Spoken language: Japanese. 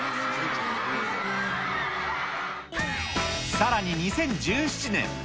さらに２０１７年。